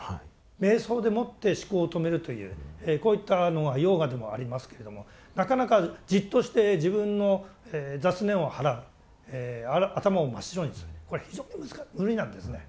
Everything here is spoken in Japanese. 瞑想でもって思考を止めるというこういったのがヨーガでもありますけれどもなかなかじっとして自分の雑念を払う頭を真っ白にするこれは非常に無理なんですね。